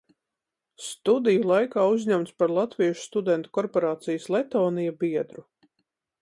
"Studiju laikā uzņemts par latviešu studentu korporācijas "Lettonia" biedru."